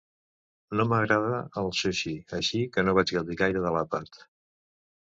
No m'agrada el sushi, així que no vaig gaudir gaire de l'àpat.